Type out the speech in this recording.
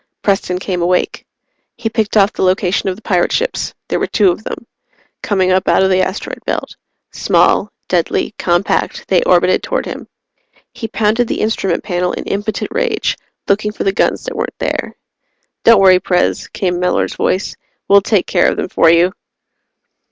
_" Preston came awake. He picked off the location of the pirate ships there were two of them, coming up out of the asteroid belt. Small, deadly, compact, they orbited toward him. He pounded the instrument panel in impotent rage, looking for the guns that weren't there. "Don't worry, Pres," came Mellors' voice. "We'll take care of them for you."